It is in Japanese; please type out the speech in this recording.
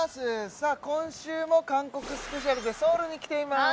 さあ今週も韓国スペシャルでソウルに来ています